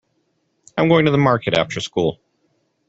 I'm going to the market after school.